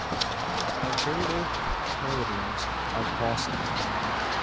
Alternative paradigms are possible.